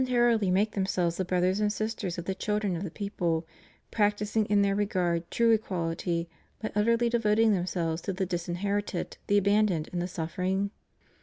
499 tarily make themselves the brothers and sisters of the children of the people, practising in their regard true equality by utterly devoting themselves to the disin herited, the abandoned, and the suffering?